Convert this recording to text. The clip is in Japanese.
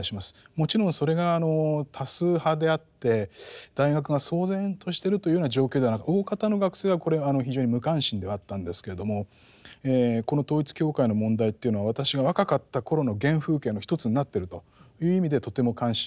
もちろんそれが多数派であって大学が騒然としてるというような状況ではなく大方の学生はこれ非常に無関心ではあったんですけれどもこの統一教会の問題っていうのは私が若かった頃の原風景の一つになってるという意味でとても関心を持っております。